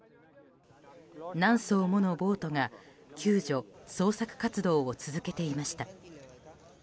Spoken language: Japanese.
何艘ものボートが救助・捜索活動を続けていました。